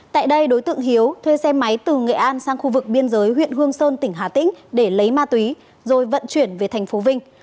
tại đây đối tượng hiếu thuê xe máy từ nghệ an sang khu vực biên giới huyện hương sơn tỉnh hà tĩnh để lấy ma túy rồi vận chuyển về thành phố vinh